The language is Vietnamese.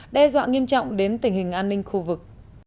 đe dọa nghiêm trọng đến tình hình an ninh khu vực